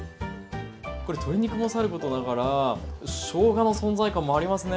これ鶏肉もさることながらしょうがの存在感もありますね！